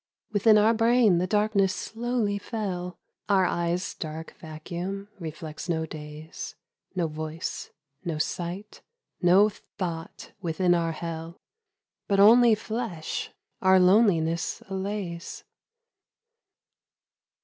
Within our brain the darkness slowly fell : Our eyes' dark vacuum reflects no days — No voice, no sight, no thought within our hell — But only flesh our loneliness allays.